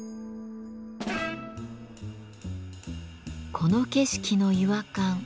この景色の違和感。